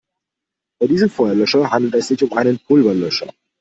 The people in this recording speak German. Bei diesem Feuerlöscher handelt es sich um einen Pulverlöscher.